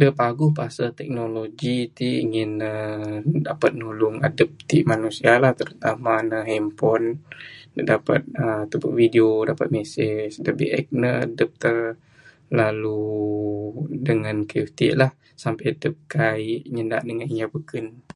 Da paguh pasal teknologi tik ngin ne dapat nulun g adup tik mnusia lah terutama minan handpon. Dapat tebuk video, dapat message. Da bi'ek ne, dup uhh lalu dengan kayuh tik lah. Sampei adup kaik nyada' dengan inya bekun.